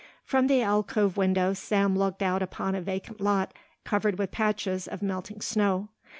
From the alcove window Sam looked out upon a vacant lot covered with patches of melting snow.